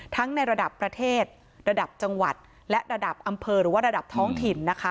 ในระดับประเทศระดับจังหวัดและระดับอำเภอหรือว่าระดับท้องถิ่นนะคะ